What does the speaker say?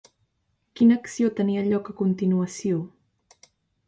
Quina acció tenia lloc a continuació?